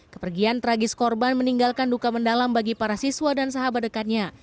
kepergian tragis korban meninggalkan duka mendalam bagi para siswa dan sahabat dekatnya